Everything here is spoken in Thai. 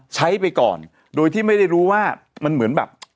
ไปก่อนโดยที่ไม่ได้รู้ว่ามันเหมือนแบบ